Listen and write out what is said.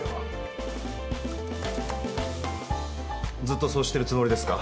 ずっとそうしてるつもりですか？